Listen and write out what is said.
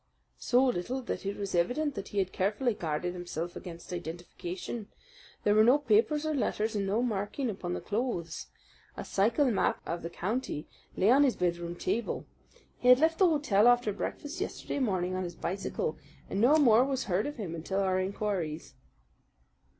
"So little that it was evident that he had carefully guarded himself against identification. There were no papers or letters, and no marking upon the clothes. A cycle map of the county lay on his bedroom table. He had left the hotel after breakfast yesterday morning on his bicycle, and no more was heard of him until our inquiries."